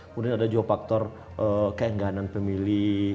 kemudian ada juga faktor keengganan pemilih